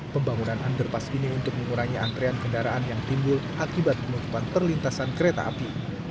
pembangunan underpass ini untuk mengurangi antrean kendaraan yang timbul akibat penutupan perlintasan kereta api